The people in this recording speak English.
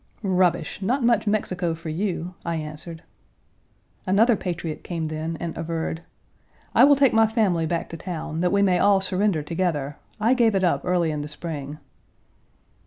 "Rubbish, not much Mexico for you," I answered. Another patriot came then and averred, "I will take my family back to town, that we may all surrender together. I gave it up early in the spring."